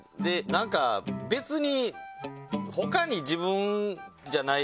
なんか別に。